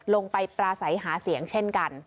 ไปปราศัยหาเสียงเช่นกัน